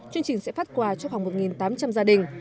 chương trình sẽ phát quà cho khoảng một tám trăm linh gia đình